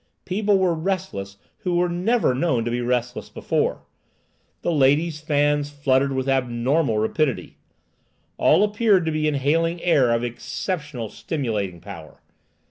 People were restless who were never known to be restless before. The ladies' fans fluttered with abnormal rapidity. All appeared to be inhaling air of exceptional stimulating power.